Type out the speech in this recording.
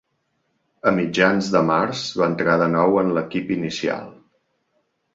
A mitjans de març, va entrar de nou en l'equip inicial.